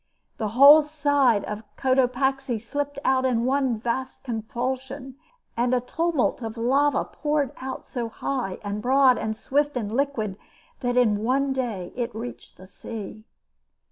The whole side of Cotopaxi slipped out in one vast convulsion, and a tumult of lava poured out so high and broad and swift and liquid that in one day it reached the sea.